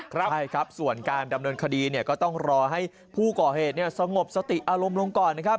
ใช่ครับส่วนการดำเนินคดีเนี่ยก็ต้องรอให้ผู้ก่อเหตุสงบสติอารมณ์ลงก่อนนะครับ